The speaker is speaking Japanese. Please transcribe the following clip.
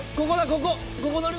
ここだここ！